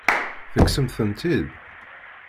Tekksemt-tent-id?